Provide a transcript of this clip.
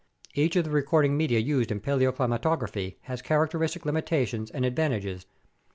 Each of the recording media used in paleoclimatography has char acteristic limitations and advantages.